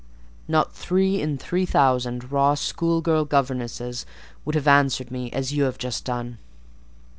Not three in three thousand raw school girl governesses would have answered me as you have just done.